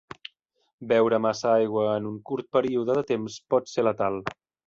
Beure massa aigua en un curt període de temps pot ser letal.